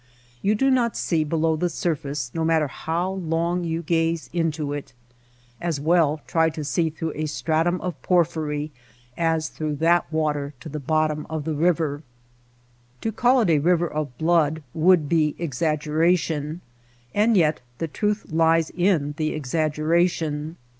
You do not see below the surface no matter how long you gaze into it. As well try to see through a stratum of porphyry as through that water to the bottom of the river. To call it a river of blood would be exaggera tion, and yet the truth lies in the exaggeration.